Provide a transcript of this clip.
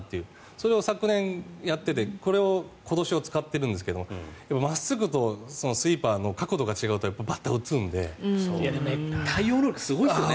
それを昨年やっていてこれを今年は使ってるんですが真っすぐとスイーパーの角度が違うと対応能力すごいですよね。